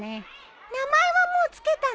名前はもう付けたの？